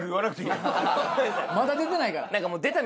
まだ出てないから。